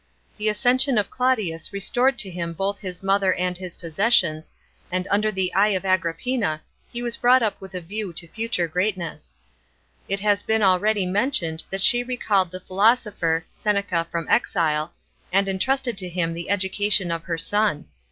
The accession of Claudius restored to him both his mother and his possessions, and under the eye of Agrippina he WHS brought up with a view to future greatness, It has been already men tioned that she recalled the philosopher Seneca from exile, and entrusted to him the education of her son.